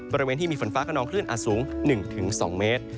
บริเวณที่มีฝนฟ้าขนองคลื่นอาจสูง๑๒เมตร